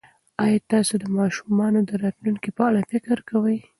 ایا تاسي د ماشومانو د راتلونکي په اړه فکر کوئ؟